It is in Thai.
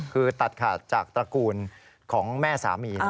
คือตัดขาดจากตระกูลของแม่สามี